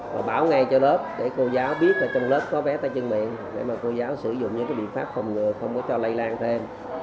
và báo ngay cho lớp để cô giáo biết trong lớp có bé tay chân miệng để mà cô giáo sử dụng những biện pháp phòng ngừa không có cho lây lan thêm